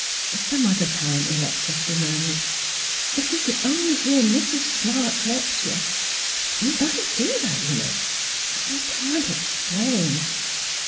" Some other time, Electa," she mur mured. " If you could only hear Mrs. Smart lecture — you might do that, you know. I can't explain.